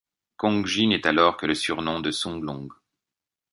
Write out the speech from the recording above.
Congji n'est alors que le surnom de Sun Long.